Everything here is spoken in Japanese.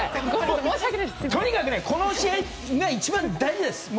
とにかくこの試合が一番大事です。